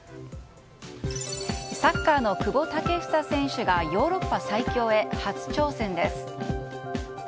サッカーの久保建英選手がヨーロッパ最強へ初挑戦です。